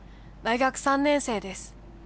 大学３年生です。